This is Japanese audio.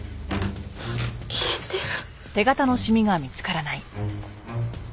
消えてる。